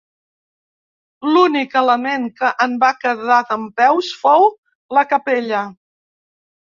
L’únic element que en va quedar dempeus fou la capella.